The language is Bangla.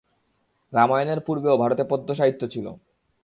রামায়ণের পূর্বেও ভারতে পদ্য-সাহিত্য ছিল।